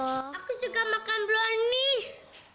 aku suka makan brownies